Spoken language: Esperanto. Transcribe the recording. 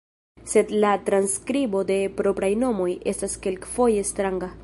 Sed la transskribo de propraj nomoj estas kelkfoje stranga.